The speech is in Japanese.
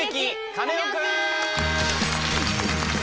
カネオくん」！